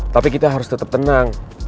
tapi kita harus tetap tenang